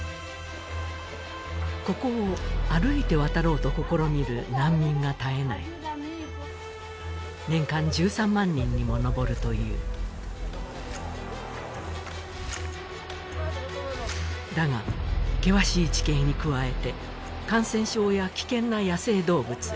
ここを歩いて渡ろうと試みる難民が絶えない年間１３万人にも上るというだが険しい地形に加えて感染症や危険な野生動物